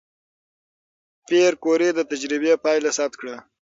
پېیر کوري د تجربې پایله ثبت کړه.